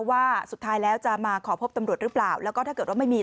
ว่าสุดท้ายแล้วจะมาขอพบตำรวจหรือเปล่าแล้วก็ถ้าเกิดว่าไม่มี